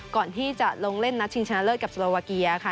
ก่อนที่จะลงเล่นนัดชิงชนะเลิศกับสโลวาเกียค่ะ